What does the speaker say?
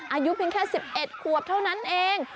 อายุเพียงแค่๑๑ขวบเท่านั้นเอง